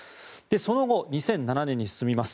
その後、２００７年に進みます。